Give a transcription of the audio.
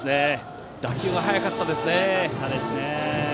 打球が速かったですね。